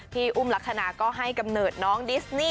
พี่อุ้มลักษณะก็ให้กำเนิดน้องดิสนี่